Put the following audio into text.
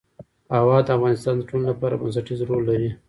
هوا د افغانستان د ټولنې لپاره بنسټيز رول لري.